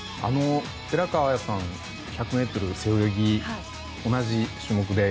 寺川綾さん１００ｍ背泳ぎ、同じ種目で